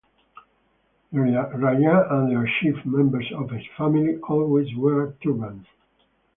The Rajah and the chief members of his family always wear turbans.